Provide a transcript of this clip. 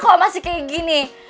kalau masih kayak gini